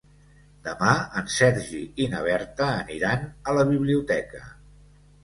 Demà en Sergi i na Berta aniran a la biblioteca.